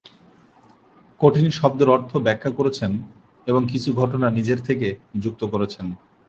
কঠিন শব্দের অর্থ ব্যাখ্যা করেছেন এবং কিছু ঘটনা নিজের থেকে যুক্ত করেছেন।